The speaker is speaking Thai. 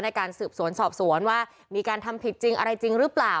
ในการสืบสวนสอบสวนว่ามีการทำผิดจริงอะไรจริงหรือเปล่า